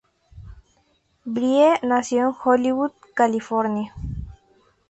Brie nació en Hollywood, California.